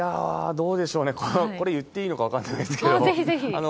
どうでしょうね、これ言っていいのか分かんないですけど。